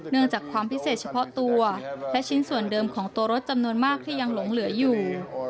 จากความพิเศษเฉพาะตัวและชิ้นส่วนเดิมของตัวรถจำนวนมากที่ยังหลงเหลืออยู่